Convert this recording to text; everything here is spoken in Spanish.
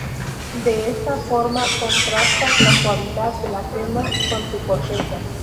De esta forma contrasta la suavidad de la crema con su corteza.